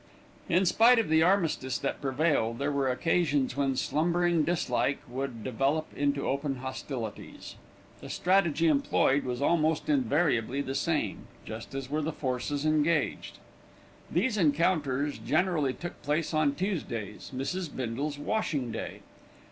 In spite of the armistice that prevailed, there were occasions when slumbering dislike would develop into open hostilities. The strategy employed was almost invariably the same, just as were the forces engaged. These encounters generally took place on Tuesdays, Mrs. Bindle's washing day.